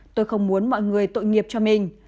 tôi không muốn mọi người tội nghiệp cho mình